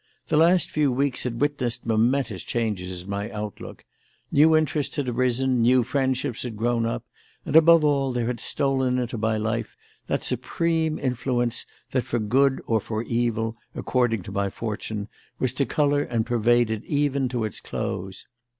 The last few weeks had witnessed momentous changes in my outlook. New interests had arisen, new friendships had grown up; and, above all, there had stolen into my life that supreme influence that, for good or for evil, according to my fortune, was to colour and pervade it even to its close.